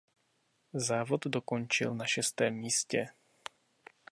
Závod dokončil na šestém místě.